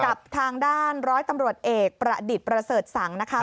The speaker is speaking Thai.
กับทางด้านร้อยตำรวจเอกประดิษฐ์ประเสริฐสังนะคะ